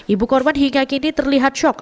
ibu korban hingga kini terlihat syok